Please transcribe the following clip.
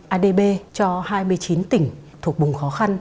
adb cho hai mươi chín tỉnh thuộc vùng khó khăn